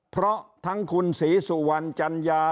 เพราะทั้งคุณศรีสุวรรณจัญญา